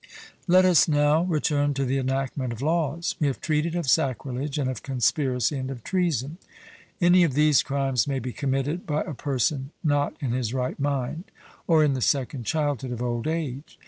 Let us now return to the enactment of laws. We have treated of sacrilege, and of conspiracy, and of treason. Any of these crimes may be committed by a person not in his right mind, or in the second childhood of old age.